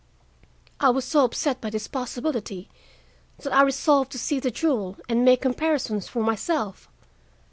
"I was so upset by this possibility that I resolved to see the jewel and make comparisons for myself.